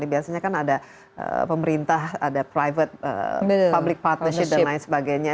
biasanya kan ada pemerintah ada private public partnership dan lain sebagainya